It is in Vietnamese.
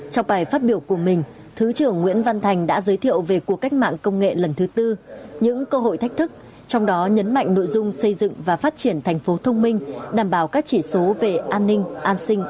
trong bài phát biểu của mình thứ trưởng nguyễn văn thành đã giới thiệu về cuộc cách mạng công nghệ lần thứ tư những cơ hội thách thức trong đó nhấn mạnh nội dung xây dựng và phát triển thành phố thông minh đảm bảo các chỉ số về an ninh an sinh xã